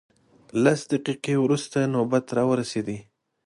لس دقیقې وروسته نوبت راورسېد.